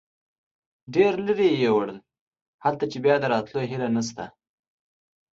ډېر لرې یې یوړل، هلته چې بیا د راتلو هیله نشته.